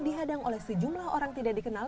dihadang oleh sejumlah orang tidak dikenal